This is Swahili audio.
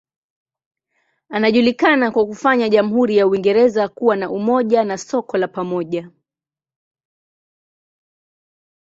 Anajulikana kwa kufanya jamhuri ya Uingereza kuwa na umoja na soko la pamoja.